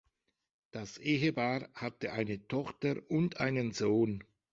Das Ehepaar hatte eine Tochter und einen Sohn.